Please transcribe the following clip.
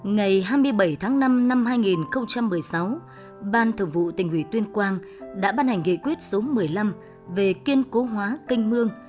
ngày hai mươi bảy tháng năm năm hai nghìn một mươi sáu ban thường vụ tỉnh ủy tuyên quang đã ban hành nghị quyết số một mươi năm về kiên cố hóa kênh mương